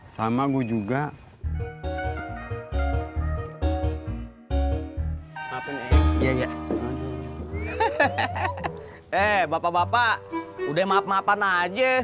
haunting yang lalu pangwawan enggak yphase untuk jaga menjel price